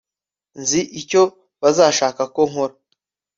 nzi icyo bazashaka ko nkora